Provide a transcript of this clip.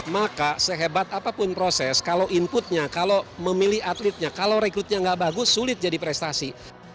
maka sehebat apapun proses kalau inputnya kalau memilih atletnya kalau rekrutnya nggak bagus sulit jadi prestasi